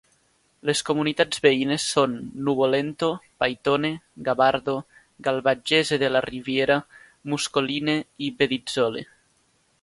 Les comunitats veïnes són Nuvolento, Paitone, Gavardo, Calvagese della Riviera, Muscoline i Bedizzole.